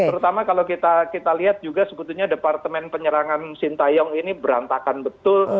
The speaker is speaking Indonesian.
terutama kalau kita lihat juga sebetulnya departemen penyerangan sintayong ini berantakan betul